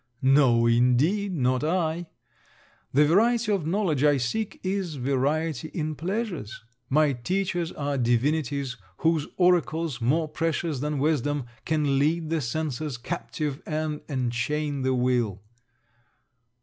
No indeed, not I. The variety of knowledge I seek is variety in pleasures. My teachers are divinities whose oracles, more precious than wisdom, can lead the senses captive and enchain the will.